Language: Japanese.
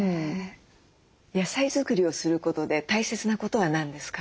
野菜作りをすることで大切なことは何ですか？